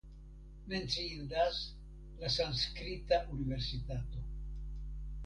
Menciindas la sanskrita universitato.